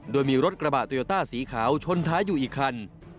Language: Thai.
โดยมีรถกระบะโยต้าสีขาวชนท้ายอยู่อีกคัน